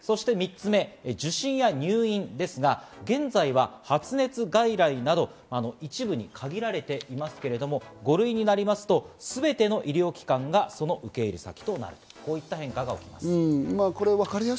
そして３つ目、受診や入院ですが、現在は発熱外来など一部に限られていますけれども、５類になりますとすべての医療機関がその受け入れ先となる、こういった変化が起きます。